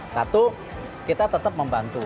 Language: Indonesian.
satu kita tetap membantu